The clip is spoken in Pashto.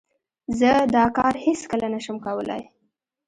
زه دا کار هیڅ کله نه شم کولای.